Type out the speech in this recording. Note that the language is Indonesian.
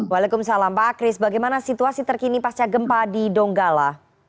waalaikumsalam pak akris bagaimana situasi terkini pasca gempa di donggala